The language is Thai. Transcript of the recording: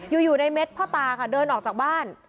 อยู่ในเม็ดพ่อตาค่ะเดินออกจากบ้าน